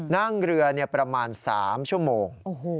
นั่งเรือประมาณ๓ชั่วโมง